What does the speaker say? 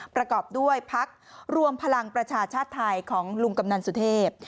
ประกอบด้วยพักรวมพลังประชาชาติไทยของลุงกำนันสุเทพ